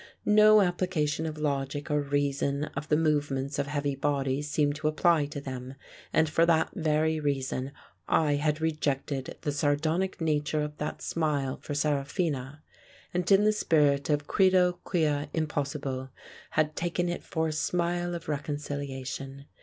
No applica tion of logic, or reason, of the movements of heavy bodies seemed to apply to them, and for that very reason I had rejected the sardonic nature of that smile for Seraphina, and in the spirit of "Credo, quia im possible" had taken it for a smile of reconciliation.